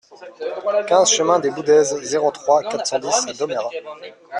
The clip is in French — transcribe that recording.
quinze chemin des Boudaises, zéro trois, quatre cent dix à Domérat